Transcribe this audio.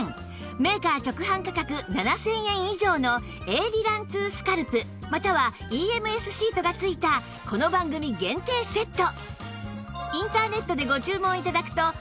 メーカー直販価格７０００円以上のエイリラン２スカルプまたは ＥＭＳ シートが付いたこの番組限定セット